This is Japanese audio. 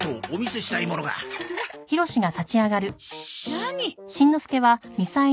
何？